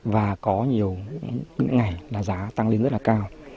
và có nhiều những ngày là giá tăng lên rất là cao